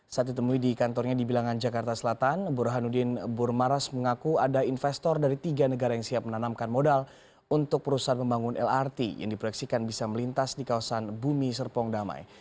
saat ditemui di kantornya di bilangan jakarta selatan burhanuddin burmaras mengaku ada investor dari tiga negara yang siap menanamkan modal untuk perusahaan pembangun lrt yang diproyeksikan bisa melintas di kawasan bumi serpong damai